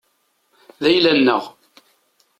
D ayla-nneɣ.